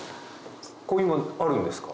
今あるんですか？